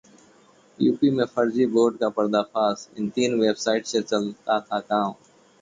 UP में फर्जी board का पर्दाफाश, इन तीन वेबसाइट से चलता था काम